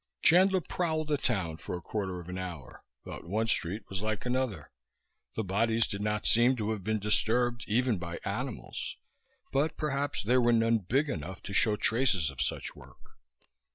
Chandler prowled the town for a quarter of an hour, but one street was like another. The bodies did not seem to have been disturbed even by animals, but perhaps there were none big enough to show traces of such work.